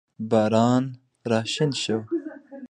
باران راشین شو